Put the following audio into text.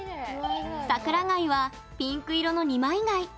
桜貝はピンク色の二枚貝。